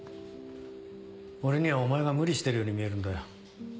俺にはお前が無理してるように見えるんだよ。